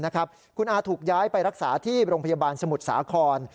คุณอาถูกย้ายไปรักษาที่โรงพยาบาลสมุทรสาคร